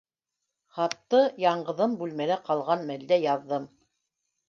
Хатты яңғыҙым бүлмәлә ҡалған мәлдә яҙҙым.